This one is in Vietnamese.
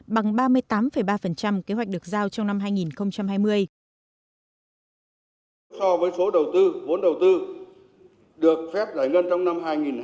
bằng ba mươi tám ba kế hoạch được giao trong năm hai nghìn hai mươi